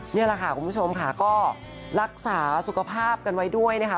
นี่แหละค่ะคุณผู้ชมค่ะก็รักษาสุขภาพกันไว้ด้วยนะคะ